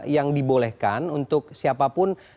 yang dibolehkan untuk siapapun